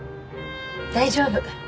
大丈夫。